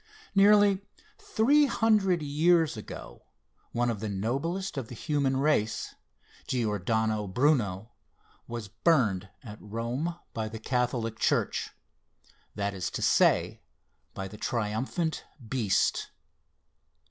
Nearly three hundred years ago, one of the noblest of the human race, Giordano Bruno, was burned at Rome by the Catholic Church that is to say, by the "Triumphant Beast."